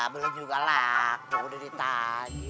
bila juga laku udah ditaji